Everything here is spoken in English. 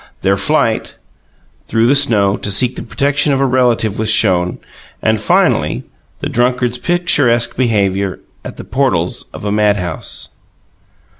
Their flight through the snow to seek the protection of a relative was shown, and finally, the drunkard's picturesque behaviour at the portals of a madhouse.